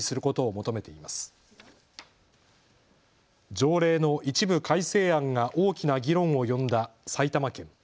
条例の一部改正案が大きな議論を呼んだ埼玉県。